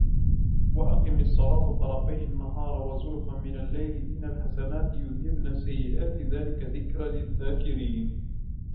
وَأَقِمِ الصَّلَاةَ طَرَفَيِ النَّهَارِ وَزُلَفًا مِنَ اللَّيْلِ إِنَّ الْحَسَنَاتِ يُذْهِبْنَ السَّيِّئَاتِ ذَلِكَ ذِكْرَى لِلذَّاكِرِينَ